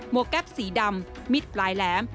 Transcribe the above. แก๊ปสีดำมิดปลายแหลม